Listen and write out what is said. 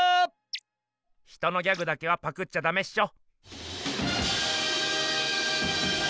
ヒトのギャグだけはパクっちゃダメっしょ。